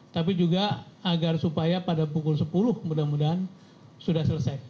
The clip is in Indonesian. tapi juga agar supaya pada pukul sepuluh mudah mudahan sudah selesai